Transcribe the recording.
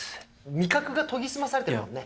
味覚が研ぎ澄まされてるもんね。